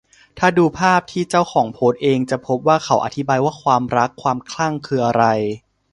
ถ้าดูภาพที่เจ้าของโพสเองจะพบว่าเขาอธิบายว่า ความรัก ความคลั่งคืออะไร